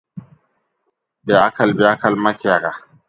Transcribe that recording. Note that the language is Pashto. بېعقل، بېعقل مۀ کېږه.